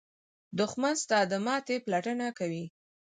دښمن ستا د ماتې پلټنه کوي